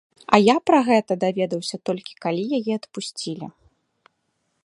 А я пра гэта даведаўся толькі, калі яе адпусцілі.